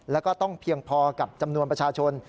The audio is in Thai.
แล้วก็ต้องเพียงพอกับจำนวนประชาชน